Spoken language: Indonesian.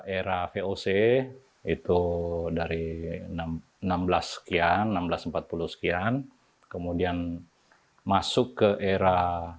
era voc itu dari enam belas sekian seribu enam ratus empat puluh sekian kemudian masuk ke era